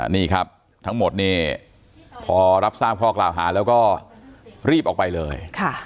นี่ครับทั้งหมดนี่พอรับทราบข้อกล่าวหาแล้วก็รีบออกไปเลย